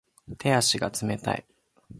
手足が冷たい